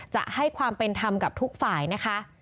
จะให้ความเป็นธรรมกับทุกฝ่ายนะคะ